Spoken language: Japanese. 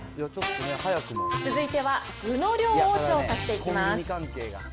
続いては、具の量を調査していきます。